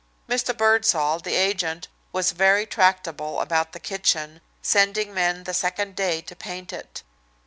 Mr. Birdsall, the agent, was very tractable about the kitchen, sending men the second day to paint it.